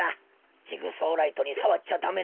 ジグソーライトにさわっちゃダメなのだ。